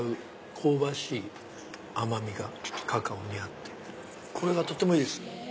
香ばしい甘みがカカオにあってこれがとてもいいですよ。